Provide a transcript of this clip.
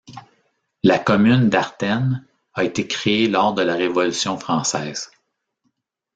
La commune d'Hartennes a été créée lors de la Révolution française.